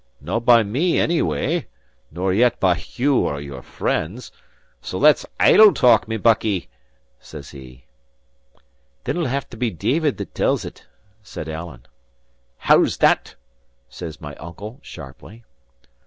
No by me, onyway; nor yet by you or your friends. So that's idle talk, my buckie," says he. "Then it'll have to be David that tells it," said Alan. "How that?" says my uncle, sharply.